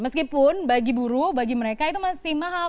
meskipun bagi buruh bagi mereka itu masih mahal